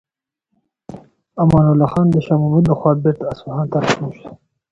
امان الله خان د شاه محمود لخوا بیرته اصفهان ته راستون شو.